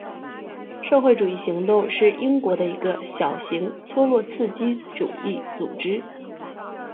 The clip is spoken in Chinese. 社会主义行动是英国的一个小型托洛茨基主义组织。